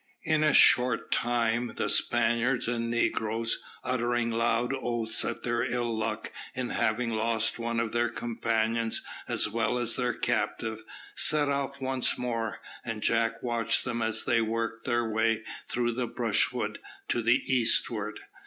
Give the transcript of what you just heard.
In a short time the Spaniards and negroes, uttering loud oaths at their ill luck in having lost one of their companions as well as their captive, set off once more; and Jack watched them as they worked their way through the brushwood to the eastward.